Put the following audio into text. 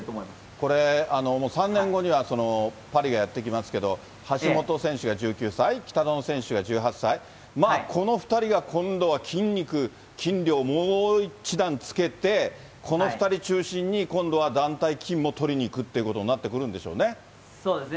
これ、３年後にはパリがやって来ますけど、橋本選手が１９歳、北園選手が１８歳、この２人が今度は筋肉、筋量、もう一段つけて、この２人中心に今度は団体金もとりにいくっていうことになってくるんでしょうね。